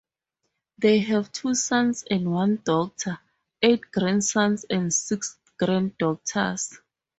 They have two sons and one daughter; eight grandsons and six granddaughters.